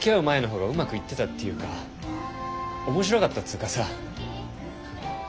前の方がうまくいってたっていうか面白かったつぅかさ。